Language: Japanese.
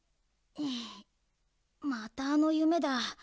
またあのゆめだ